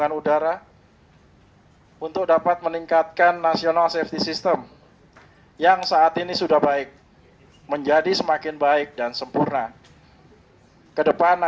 yang meluruh dari komite nasional keselamatan transportasi atau knkt ini dapat menjadi titik awal proses investigasi